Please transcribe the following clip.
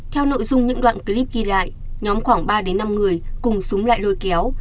theo nội dung những đoạn clip ghi lại nhóm khoảng ba năm người cùng súng lại lôi kéo